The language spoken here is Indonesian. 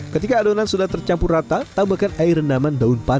ketika adonan sudah tercampur rata tambahkan air rendaman daun panas